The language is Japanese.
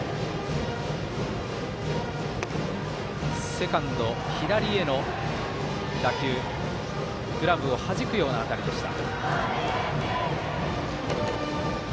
セカンド左への打球グラブをはじくような当たりでした。